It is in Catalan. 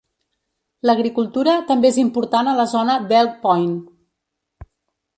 L'agricultura també és important a la zona d'Elk Point.